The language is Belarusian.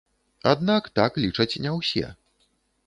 Аднак так лічаць не ўсе.